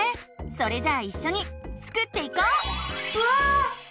それじゃあいっしょにスクっていこう！わ！